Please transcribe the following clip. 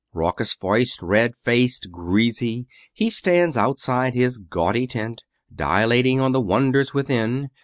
Raucous voiced, red faced, greasy, he stands outside his gaudy tent, dilating on the wonders within.